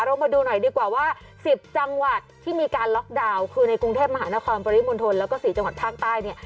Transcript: มาดูหน่อยดีกว่าว่า๑๐จังหวัดที่มีการล็อกดาวน์คือในกรุงเทพมหานครปริมณฑลแล้วก็๔จังหวัดภาคใต้เนี่ย